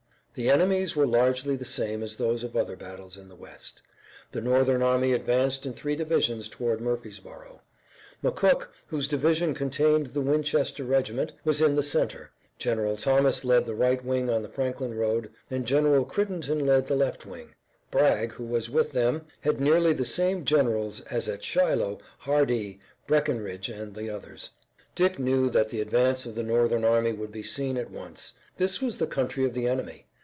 The enemies were largely the same as those of other battles in the west. The Northern army advanced in three divisions toward Murfreesborough. McCook, whose division contained the Winchester regiment, was in the center, General Thomas led the right wing on the Franklin road, and General Crittenden led the left wing. Bragg who was before them had nearly the same generals as at Shiloh, Hardee, Breckinridge, and the others. Dick knew that the advance of the Northern army would be seen at once. This was the country of the enemy.